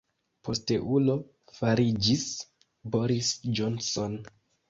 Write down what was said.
Posteulo fariĝis Boris Johnson.